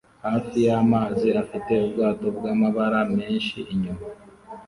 hafi yamazi afite ubwato bwamabara menshi inyuma